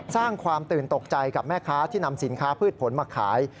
สร้างความตื่นตกใจกับแม่ค้าที่นำสินค้าพืชผลมาขาย